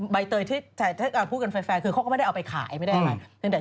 ใบเตยที่พูดกันแฟร์คือเขาก็ไม่ได้เอาไปขายไม่ได้อะไร